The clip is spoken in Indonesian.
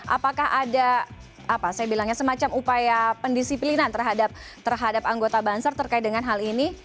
apakah ada semacam upaya pendisiplinan terhadap anggota bansar terkait dengan hal ini